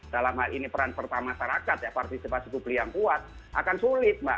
dalam hal ini peran serta masyarakat ya partisipasi publik yang kuat akan sulit mbak